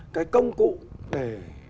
cái công cụ để